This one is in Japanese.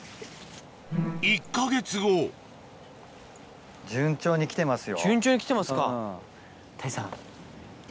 １か月後順調に来てますか。